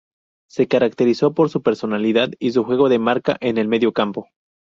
Se caracterizó por su personalidad y su juego de marca en el medio campo.